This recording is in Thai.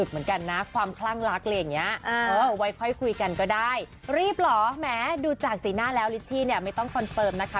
เอ่อว่าค่อยคุยกันก็ได้รีบหรอแหมดูจากศรีหน้าแล้วศรีที่เนี่ยไม่ต้องคอนเฟิร์มนะคะ